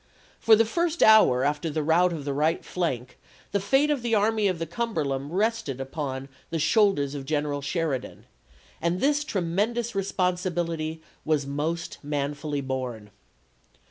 For the first hour after the rout of the right flank the fate of the Army of the Cumberland rested upon the shoulders of Greneral Sheridan, and this tremendous responsibility was most manfully borne.